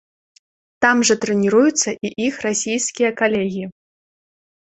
Там жа трэніруюцца і іх расійскія калегі.